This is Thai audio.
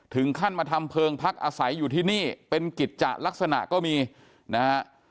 ถึงขั้นมาทำเพลิงพักอาศัยอยู่ที่นี่เป็นกิจจะลักษณะก็มีนะฮะ